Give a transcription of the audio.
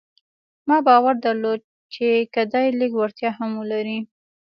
ما باور درلود چې که دی لږ وړتيا هم ولري.